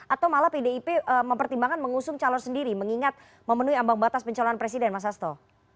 atau malah pdip mempertimbangkan mengusung calon sendiri mengingat memenuhi ambang batas pencalonan presiden mas asto